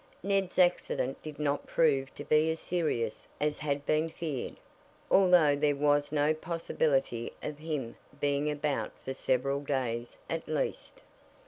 Ned's accident did not prove to be as serious as had been feared, although there was no possibility of him being about for several days, at least.